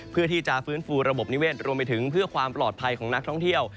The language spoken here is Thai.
เพื่อที่จะฟื้นฟูระบบนิเวศรวมไปถึงเพื่อความปลอดภัยของนักท่องเที่ยว